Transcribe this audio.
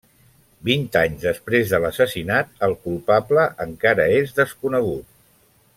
Vint anys després de l’assassinat el culpable encara és desconegut.